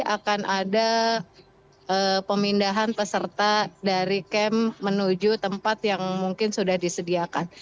akan ada pemindahan peserta dari camp menuju tempat yang mungkin sudah disediakan